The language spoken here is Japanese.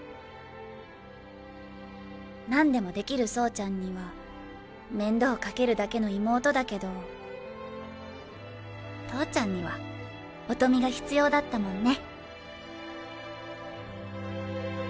何でもできる走ちゃんには面倒かけるだけの妹だけど投ちゃんには音美が必要だったもんね。